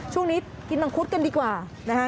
ช่วงนี้กินมังคุดกันดีกว่านะคะ